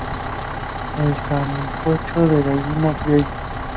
El sancocho de gallina criolla.